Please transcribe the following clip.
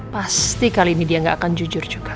pasti kali ini dia nggak akan jujur juga